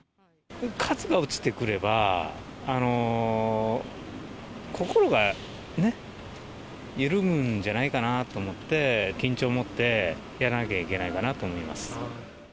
数が落ちてくれば、心がね、緩むんじゃないかなと思って、緊張を持ってやらなきゃいけないかなと思います。